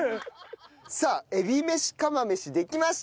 さあえびめし釜飯できました。